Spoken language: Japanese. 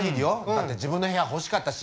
だって自分の部屋ほしかったし。